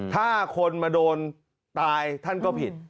ถ้าคนมาโดนตายท่านก็ผิด